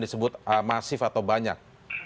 disebut masif atau banyak